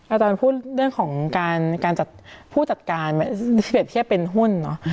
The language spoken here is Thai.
อาจารย์พูดเรื่องของการผู้จัดการเป็นหุ้นเนอะ